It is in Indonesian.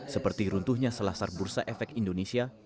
seperti runtuhnya selasar bursa efek indonesia